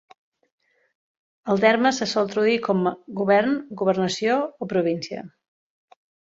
El terme se sol traduir com "govern", "governació" o "província".